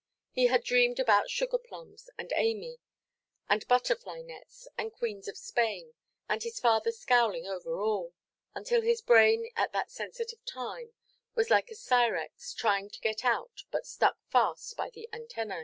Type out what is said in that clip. He had dreamed about sugar–plums, and Amy, and butterfly–nets, and Queens of Spain, and his father scowling over all, until his brain, at that sensitive time, was like a sirex, trying to get out but stuck fast by the antennæ.